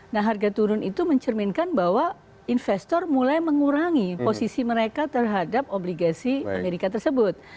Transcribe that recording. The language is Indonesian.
nah harga turun itu mencerminkan bahwa investor mulai mengurangi posisi mereka terhadap obligasi amerika tersebut